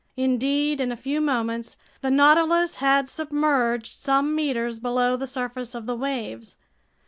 Indeed, in a few moments the Nautilus had submerged some meters below the surface of the waves.